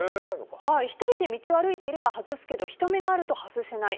１人で道を歩いていれば外すけど、人目があると外せない。